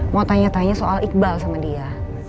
mau tanya tanya soal iqbal sama dia